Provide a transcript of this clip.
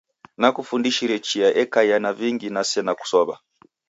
Nakufundishire chia ekaia na vingi na sena kusow'a